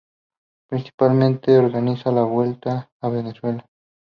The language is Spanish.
Principalmente organiza la Vuelta a Venezuela.